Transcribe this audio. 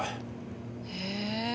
へえ。